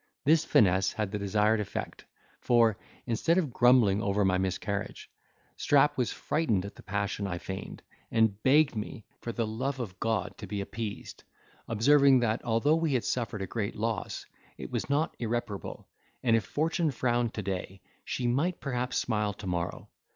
This finesse had the desired effect, for, instead of grumbling over my miscarriage, Strap was frightened at the passion I feigned, and begged me, for the love of God, to be appeased; observing that, although we had suffered a great loss, it was not irreparable; and if Fortune frowned to day, she might perhaps smile to morrow.